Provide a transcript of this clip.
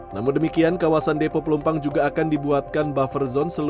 namun demikian kawasan depo pelumpang juga akan dibuatkan buffer zone seluas lima puluh meter